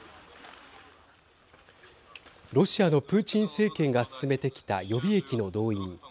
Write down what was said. ロシアのプーチン政権が進めてきた予備役の動員。